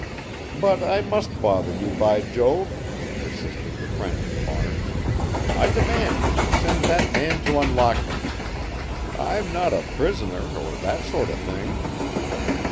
"But I must bother you, by Jove," persisted the frantic Barnes. "I demand that you send that man to unlock me. I'm not a prisoner or that sort of thing."